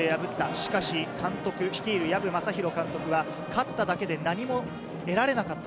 しかし監督率いる、藪真啓監督は勝っただけで何も得られなかった。